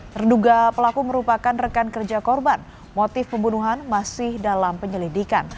terduga pelaku merupakan rekan kerja korban motif pembunuhan masih dalam penyelidikan